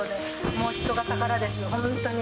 もう人が宝ですよ、本当に。